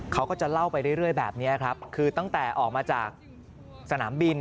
เขาก็จะเล่าไปเรื่อยแบบนี้ครับคือตั้งแต่ออกมาจากสนามบิน